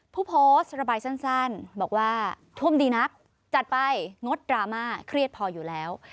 ผู้โพสต์ระบายสั้นบอกว่าท่วมดีนักจัดไปงดดราม่าเครียดพออยู่แล้ว